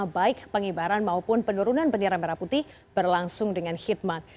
baik pengibaran maupun penurunan bendera merah putih berlangsung dengan khidmat